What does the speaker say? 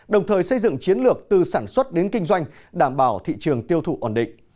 đồng thời xây dựng chiến lược từ sản xuất đến kinh doanh đảm bảo thị trường tiêu thụ ổn định